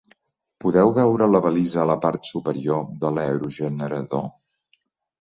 Podeu veure la balisa a la part superior de l'aerogenerador?